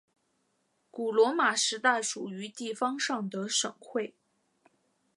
古罗马时代属于地方上的省会。